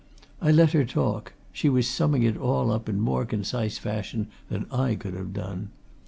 I let her talk she was summing it all up in more concise fashion than I could have done.